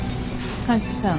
鑑識さん。